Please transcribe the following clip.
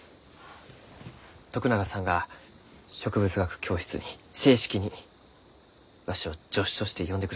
徳永さんが植物学教室に正式にわしを助手として呼んでくださった。